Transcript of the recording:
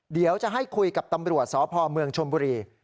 เดี๋ยวจะให้คุยกับตำรวจสพเมืองชมบุรี